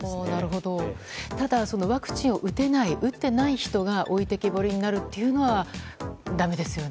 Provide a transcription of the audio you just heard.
ただ、ワクチンを打てない、打っていない人が置いてけぼりになるのはだめですね。